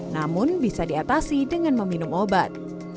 namun bisa diatasi dengan meminum obat